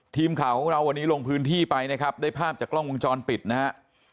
ทีมข่าวของเราวันนี้ลงพื้นที่ไปนะครับได้ภาพจากกล้องวงจรปิดนะฮะ